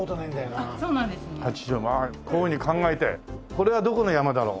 これはどこの山だろう？